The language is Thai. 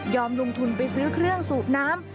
ลงทุนไปซื้อเครื่องสูบน้ำ